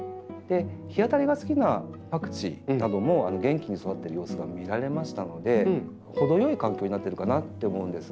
日当たりが好きなパクチーなども元気に育ってる様子が見られましたので程よい環境になってるかなって思うんです。